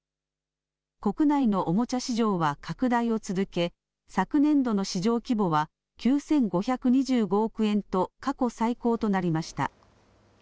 国内のおもちゃ市場は、拡大を続け、昨年度の市場規模は９５２５億円と、過去最高となりました。